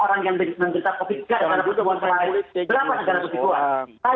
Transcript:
berapa negara yang berusaha